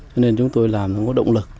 cho nên chúng tôi làm nó có động lực